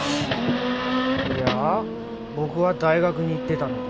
いや僕は大学に行ってたので。